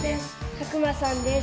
佐久間さんです。